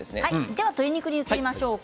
では鶏肉に移りましょう。